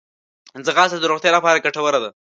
ځغاسته د روغتیا لپاره ګټوره ده